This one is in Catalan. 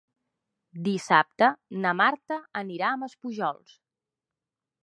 Dissabte na Marta anirà a Maspujols.